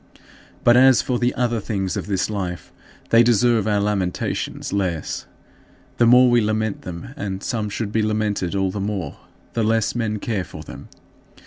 But as for the other things of this life, they deserve our lamentations less, the more we lament them; and some should be lamented all the more, the less men care for them.